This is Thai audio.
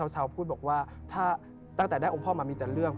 เช้าพูดว่าถ้าตั้งแต่กาแทนไปก็มีแต่เรื่อง